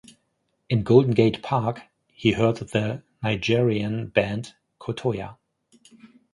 In Golden Gate Park, he heard the Nigerian band Kotoja.